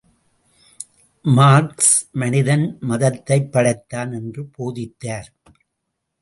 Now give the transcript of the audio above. Marks, மனிதன் மதத்தைப் படைத்தான் என்று போதித்தார்.